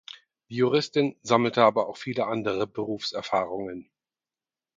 Die Juristin sammelte aber auch viele andere Berufserfahrungen.